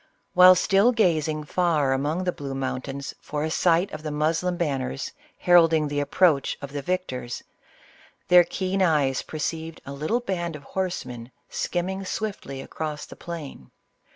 While still gazing far among the blue mountains for a sight of the Moslem banners, heralding the approach of the victors, their keen eyes perceived a little band of horsemen skimming swiftly across the plain.